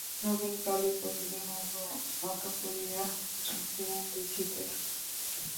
নবীনকালী কহিলেন, ওগো, অত করিয়া ঝুঁকিয়া দেখিতেছ কী?